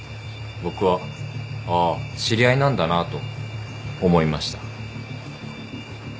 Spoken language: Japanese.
僕はああ知り合いなんだなと思いました。